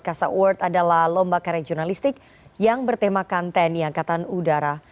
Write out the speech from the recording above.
kasa award adalah lomba karya jurnalistik yang bertemakan tni angkatan udara